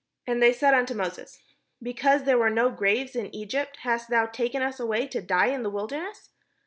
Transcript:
And they said unto Moses: ''Because there were no graves in Egypt, hast thou taken us away to die in the wilderness?